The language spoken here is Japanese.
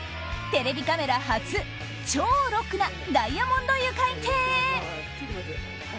テレビカメラ初、超ロックなダイアモンド☆ユカイ邸へ。